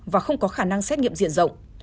và không có khả năng xét nghiệm diện rộng